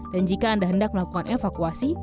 dan jika anda hendak melakukan evakuasi